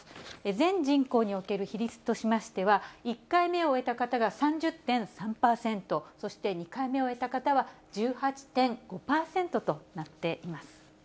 全人口における比率としましては、１回目を終えた方が３０．３％、そして２回目を終えた方は１８．５％となっています。